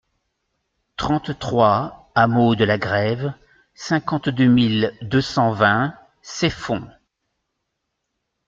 trente-trois hameau de la Grève, cinquante-deux mille deux cent vingt Ceffonds